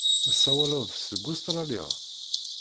Tessawaleḍ-d seg Ustṛalya?